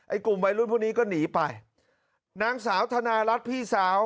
ไอ้กลุ่มไวรุสพวกนี้ก็หนีไปนางสาวธนรัฐพี่สาว